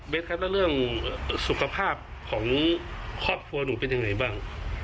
ครับแล้วเรื่องสุขภาพของครอบครัวหนูเป็นยังไงบ้าง